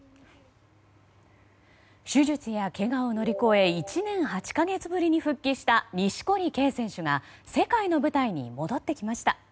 手術やけがを乗り越え１年８か月ぶりに復帰した錦織圭選手が世界の舞台に戻ってきました。